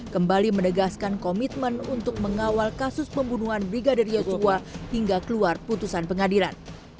kembali menegaskan komitmen untuk mengawal kasus pembunuhan brigadir yosua hingga keluar putusan pengadilan